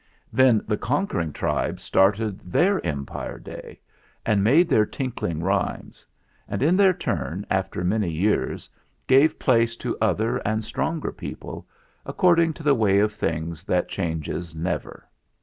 Then the con quering tribe started their Empire Day, and made their tinkling rhymes ; and in their turn, 56 THE FLINT HEART after many years, gave place to other and stronger people, according to the way of things that changes never.